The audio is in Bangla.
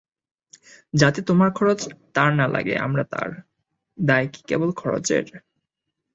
যাতে তোমার খরচ তাঁর না লাগে আমরা তার– দায় কি কেবল খরচের?